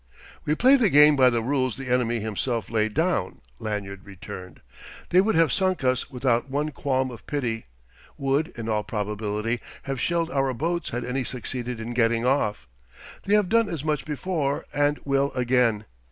"We play the game by the rules the enemy himself laid down," Lanyard returned. "They would have sunk us without one qualm of pity would, in all probability, have shelled our boats had any succeeded in getting off. They have done as much before, and will again.